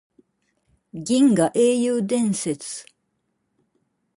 銀河英雄伝説